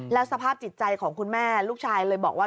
แล้วสภาพจิตใจของคุณแม่ลูกชายเลยบอกว่า